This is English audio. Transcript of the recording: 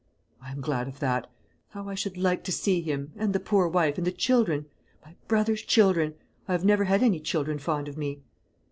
"I am glad of that. How I should like to see him, and the poor wife, and the children my brother's children! I have never had any children fond of me."